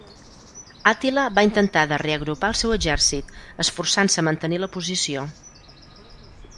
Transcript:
Àtila va intentar de reagrupar el seu exèrcit, esforçant-se a mantenir la posició.